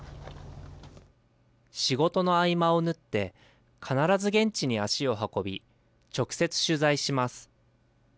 仕事の合間を縫って、必ず現地に足を運び、直接取材します。